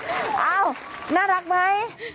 อ้าวน่ารักไหม